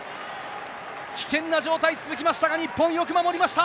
危険な状態続きましたが、日本、よく守りました。